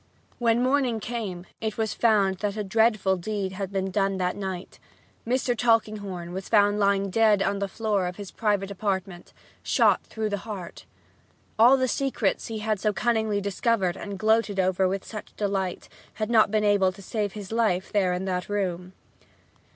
When morning came it was found that a dreadful deed had been done that night. Mr. Tulkinghorn was found lying dead on the floor of his private apartment, shot through the heart. All the secrets he had so cunningly discovered and gloated over with such delight had not been able to save his life there in that room.